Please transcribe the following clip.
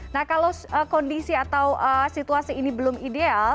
nah kalau kondisi atau situasi ini belum ideal